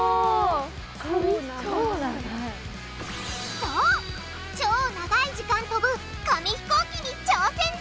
そう超長い時間飛ぶ紙ひこうきに挑戦だ！